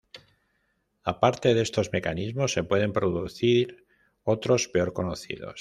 Aparte de estos mecanismos se pueden producir otros peor conocidos.